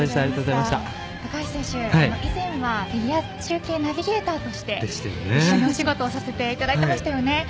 高橋選手、以前はフィギュアスケートナビゲーターとして一緒にお仕事をさせていただきましたよね。